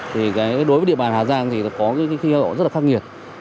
thì đối với địa bàn hà giang thì có những khi nó rất là khắc nghiệt